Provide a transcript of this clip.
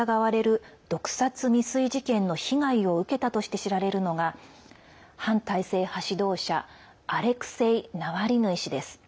ロシア政府の関与が疑われる毒殺未遂事件の被害を受けたとして知られるのが反体制派指導者アレクセイ・ナワリヌイ氏です。